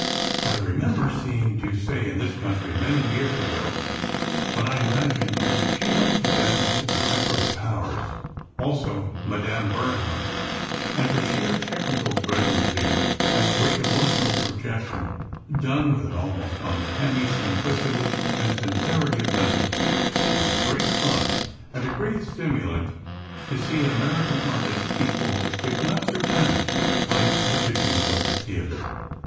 I remember seeing Duse in this country many years ago, when I imagine she must have been at the height of her powers—also Madame Bernhardt—and for sheer technical brilliancy and great emotional projection, done with an almost uncanny simplicity and sincerity of method, it is great fun and a great stimulant to see an American artist equal, if not surpass, the finest traditions of the theatre.